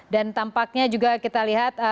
tampaknya juga kita lihat